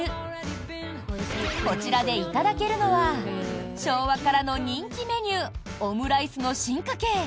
こちらでいただけるのは昭和からの人気メニューオムライスの進化系。